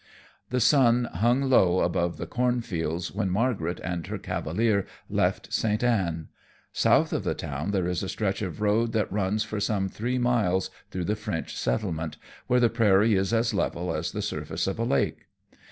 The sun hung low above the cornfields when Margaret and her cavalier left St. Anne. South of the town there is a stretch of road that runs for some three miles through the French settlement, where the prairie is as level as the surface of a lake.